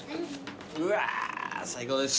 うわ最高です。